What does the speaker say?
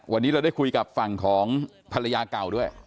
วันนี้เราได้คุยกับฝั่งของภรรยาเก่าด้วย